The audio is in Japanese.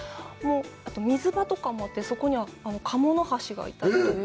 あと、水場とかもあって、そこにはカモノハシもいたりとか。